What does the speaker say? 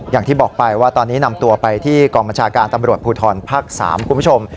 อย่างที่บอกไปว่าตอนนี้นำตัวไปที่กองบัญชาการตำรวจภูทรภาค๓คุณผู้ชม